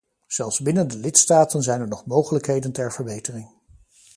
Zelfs binnen de lidstaten zijn er nog mogelijkheden ter verbetering.